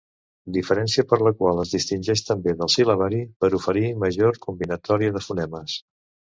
Diferència per la qual es distingeix també del sil·labari, per oferir major combinatòria de fonemes.